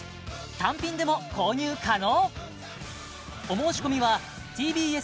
単品でも購入可能！